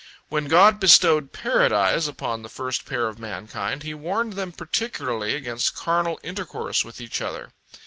When God bestowed Paradise upon the first pair of mankind, He warned them particularly against carnal intercourse with each other.